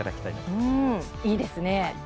いいですね。